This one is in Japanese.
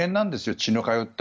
血の通った。